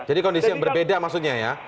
jadi kondisi yang berbeda maksudnya ya